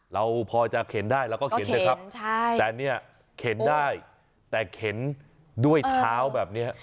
เราพอจะเข็นได้เราก็เข็นเถอะครับแต่เนี่ยเข็นได้แต่เข็นด้วยเท้าแบบนี้